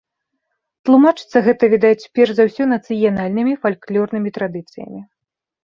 Тлумачыцца гэта, відаць, перш за ўсё нацыянальнымі фальклорнымі традыцыямі.